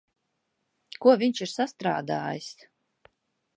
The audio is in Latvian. Ko viņš ir sastrādājis?